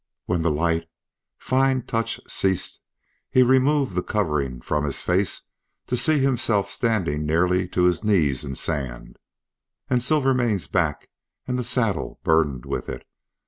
When the light, fine touch ceased he removed the covering from his face to see himself standing nearly to his knees in sand, and Silvermane's back and the saddle burdened with it.